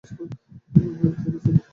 আমরা একসাথেই চলি।